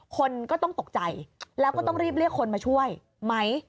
คนก็ต้องตกใจแล้วก็ต้องรีบเรียกคนมาช่วยไหม